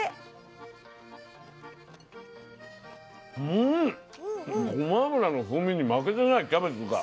うんごま油の風味に負けてないキャベツが。